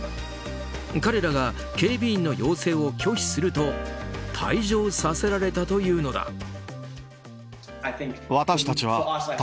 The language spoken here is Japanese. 彼らが警備員の要請を拒否すると退場させられたというのだ。